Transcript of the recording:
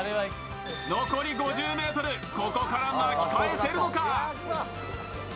残り５０ｍ、ここから巻き返せるのか。